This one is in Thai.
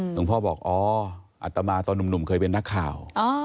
หลวงพ่อบอกอาตมาตอนหนุ่มเคยเป็นนักข่าว